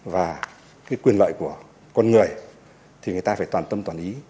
và cái quyền lợi của con người thì người ta phải toàn tâm toàn ý